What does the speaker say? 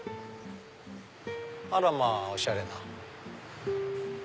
あらまぁおしゃれな。